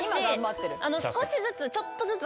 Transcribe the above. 私少しずつ。